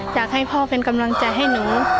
อยากให้พ่อเป็นกำลังใจให้หนู